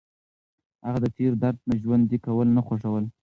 هغه د تېر درد ژوندي کول نه خوښول.